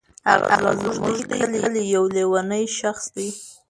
هغه زمونږ دي کلې یو لیونی شخص دی.